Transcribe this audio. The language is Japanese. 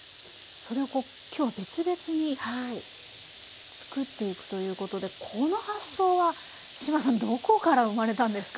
それをこうきょうは別々に作っていくということでこの発想は志麻さんどこから生まれたんですか？